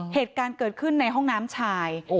เหตุการณ์เกิดขึ้นในห้องน้ำชาย